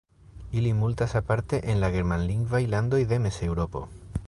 Ili multas aparte en la germanlingvaj landoj de Mezeŭropo.